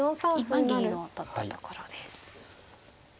今銀を取ったところです。